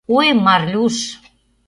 Ой, Марлюш!